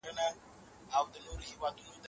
دا اندازه اوږده ده.